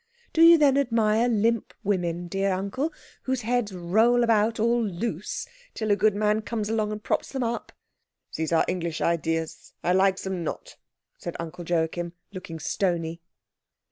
Do you then admire limp women, dear uncle, whose heads roll about all loose till a good man comes along and props them up?" "These are English ideas. I like them not," said Uncle Joachim, looking stony.